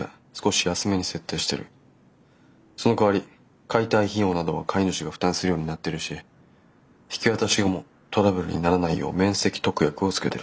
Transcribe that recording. そのかわり解体費用などは買い主が負担するようになってるし引き渡し後もトラブルにならないよう免責特約をつけてる。